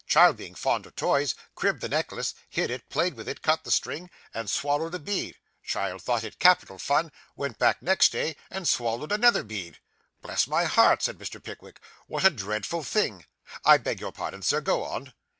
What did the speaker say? Child being fond of toys, cribbed the necklace, hid it, played with it, cut the string, and swallowed a bead. Child thought it capital fun, went back next day, and swallowed another bead.' 'Bless my heart,' said Mr. Pickwick, 'what a dreadful thing! I beg your pardon, Sir. Go on.